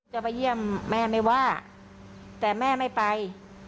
จะไปเยี่ยมแม่ไม่ว่าแต่แม่ไม่ไป